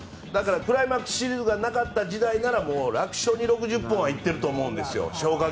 クライマックスシリーズがなかった時代なら楽勝に６０本いっていると思うんです消化